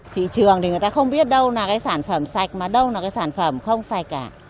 thị trường thì người ta không biết đâu là cái sản phẩm sạch mà đâu là cái sản phẩm không sạch cả